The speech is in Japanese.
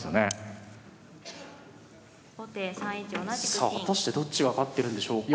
さあ果たしてどっちが勝ってるんでしょうか。